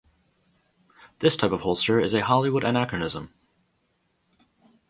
This type of holster is a Hollywood anachronism.